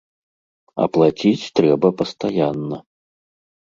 А плаціць трэба пастаянна.